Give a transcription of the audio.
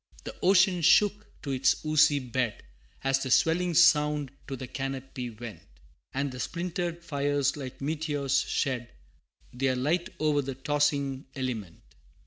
The ocean shook to its oozy bed, As the swelling sound to the canopy went, And the splintered fires like meteors shed Their light o'er the tossing element.